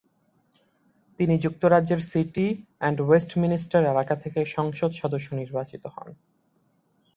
তিনি যুক্তরাজ্যের city and Westminster এলাকা থেকে সংসদ সদস্য নির্বাচিত হন।